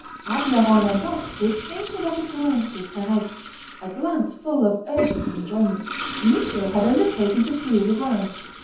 As Laurent went off, he exchanged a rapid glance with Thérèse, a glance full of urgent enjoinment. Michaud had undertaken to feel the ground.